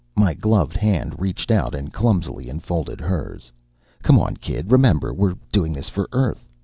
My gloved hand reached out and clumsily enfolded hers. "Come on, kid. Remember we're doing this for Earth.